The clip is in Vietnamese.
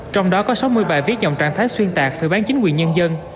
trong đó có sáu mươi bài viết dòng trạng thái xuyên tạc phì bán chính quyền nhân dân